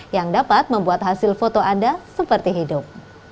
yang dapat membuat hasil foto anda seperti hidup